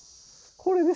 これです。